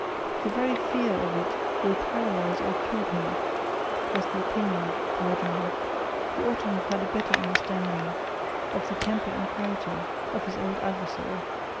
"The very fear of it will paralyse or kill him" was the opinion of the cardinal, who ought to have had a better understanding of the temper and character of his old adversary.